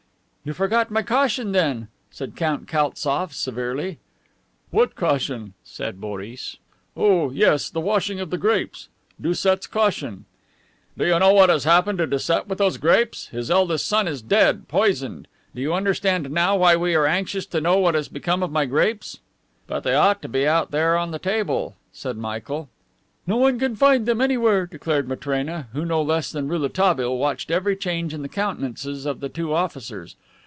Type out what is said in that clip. "You forgot my caution, then?" said Count Kaltzof severely. "What caution?" said Boris. "Oh, yes, the washing of the grapes. Doucet's caution." "Do you know what has happened to Doucet with those grapes? His eldest son is dead, poisoned. Do you understand now why we are anxious to know what has become of my grapes?" "But they ought to be out there on the table," said Michael. "No one can find them anywhere," declared Matrena, who, no less than Rouletabille, watched every change in the countenances of the two officers.